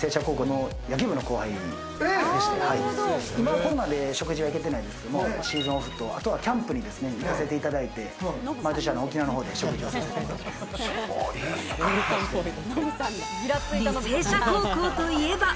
今、コロナで食事は行けていないですけれど、シーズンオフと、あとはキャンプに行かせていただいて、毎年、沖縄で食事をさせてもらっています。